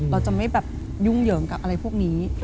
เราจะไม่แบบยุ่งเหยิงกับอะไรพวกนี้